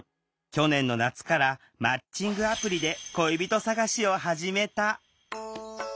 去年の夏からマッチングアプリで恋人探しを始めた。